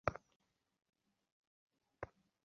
অন্নদাবাবু কহিলেন, তুমি এখন বাসা কোথায় করিয়াছ?